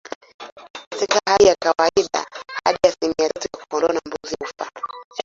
Katika hali za kawaida hadi asilimia tatu ya kondoo na mbuzi hufa